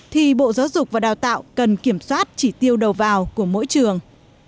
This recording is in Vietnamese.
thì bộ giáo dục và đào tạo cần kiểm soát chỉ tiêu đầu vào của mỗi trường